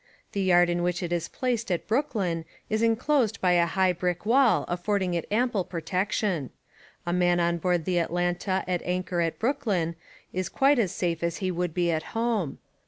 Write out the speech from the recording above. The yard in which it is placed at Brooklyn is enclosed by a high brick wall affording it ample protection. A man on board the Atlanta at anchor at Brooklyn is quite as safe as he would be at home.